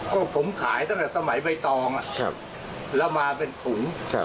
ก็ผมขายตั้งแต่สมัยใบตองแล้วมาเป็นถุง